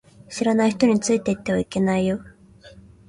知らない人についていってはいけないよ